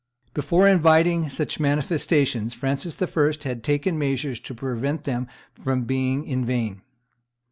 Before inviting such manifestations Francis I. had taken measures to prevent them from being in vain.